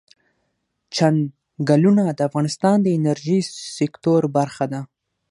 چنګلونه د افغانستان د انرژۍ سکتور برخه ده.